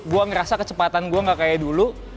gue ngerasa kecepatan gue gak kayak dulu